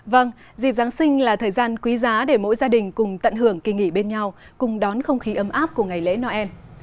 vâng dịp giáng sinh là thời gian quý giá để mỗi gia đình cùng tận hưởng kỳ nghỉ bên nhau cùng đón không khí ấm áp của ngày lễ noel